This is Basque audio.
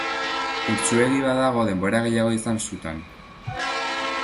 Urtsuegi badago denbora gehiago izan sutan.